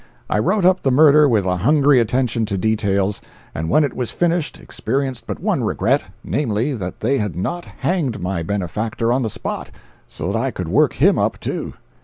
I wrote up the murder with a hungry attention to details, and when it was finished experienced but one regret—namely, that they had not hanged my benefactor on the spot, so that I could work him up too.